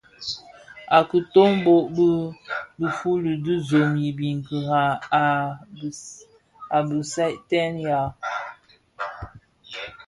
A kitömbö bi dhi fuli di zoň i biňkira a bisèntaï waa.